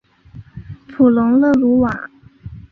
普龙勒鲁瓦。